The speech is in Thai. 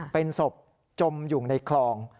เป็นศพจมอยู่ในคลอง